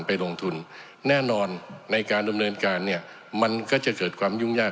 ไปลงทุนแน่นอนในการดำเนินการเนี่ยมันก็จะเกิดความยุ่งยาก